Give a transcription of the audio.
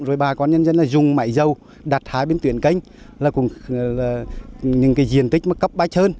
rồi bà con nhân dân dùng máy dâu đặt hai bên tuyển canh là những diện tích cấp bách hơn